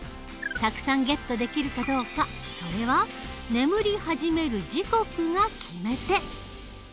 たくさんゲットできるかどうかそれは眠り始める時刻が決め手。